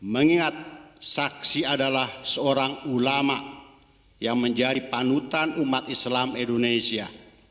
mengingat saksi adalah seorang ulama yang menjadi panutan umat islam indonesia